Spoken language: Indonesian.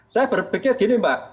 saya berpikir gini mbak